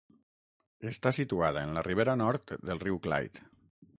Està situada en la ribera nord del riu Clyde.